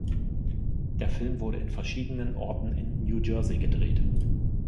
Der Film wurde in verschiedenen Orten in New Jersey gedreht.